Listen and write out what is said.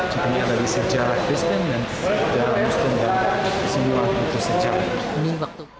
jadi ini adalah sejarah kristen dan sejarah muslim dan semua itu sejarah